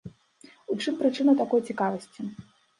У чым прычына такой цікавасці?